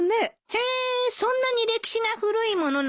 へえーそんなに歴史が古いものなのね。